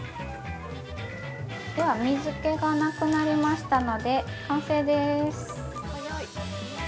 ◆では水気がなくなりましたので、完成です。